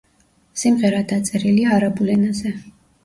სიმღერა დაწერილია არაბულ ენაზე.